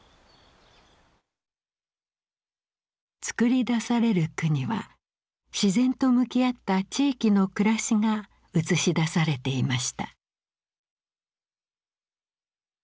作り出される句には自然と向き合った地域の暮らしが映し出されていました。